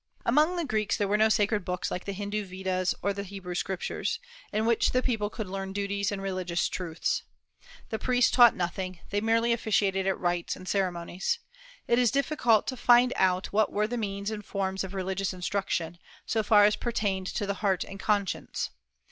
Among the Greeks there were no sacred books like the Hindu Vedas or Hebrew Scriptures, in which the people could learn duties and religious truths. The priests taught nothing; they merely officiated at rites and ceremonies. It is difficult to find out what were the means and forms of religious instruction, so far as pertained to the heart and conscience.